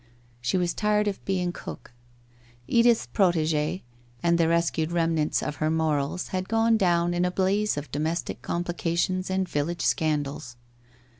She was tired of being cook. Edith's protegee and the rescued remnants of her morals had gone down in a blaze of domestic com plications and village scandals.